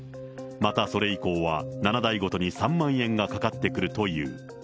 またそれ以降は７代ごとに３万円がかかってくるという。